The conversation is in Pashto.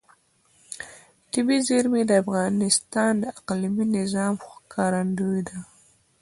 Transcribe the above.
طبیعي زیرمې د افغانستان د اقلیمي نظام ښکارندوی ده.